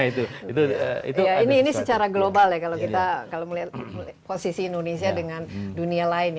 ini secara global ya kalau kita kalau melihat posisi indonesia dengan dunia lain ya